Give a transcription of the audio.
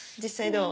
「どう？」